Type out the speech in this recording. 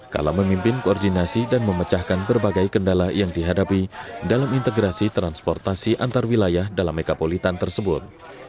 kala memimpin koordinasi dan memecahkan berbagai kendala yang dihadapi dalam integrasi transportasi antarwilayah dalam mekapolitan tersebut